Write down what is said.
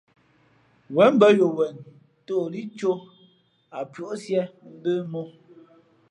Wěn mbᾱ yo wen tᾱ o lí cō ǎ pʉ̄ ǒ siē mbə̌ mō.